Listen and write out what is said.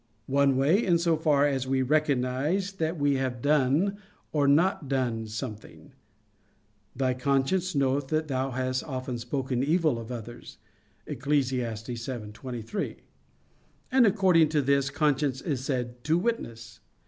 One way in so far as we recognize that we have done or not done something; "Thy conscience knoweth that thou hast often spoken evil of others" (Eccles. 7:23), and according to this, conscience is said to witness.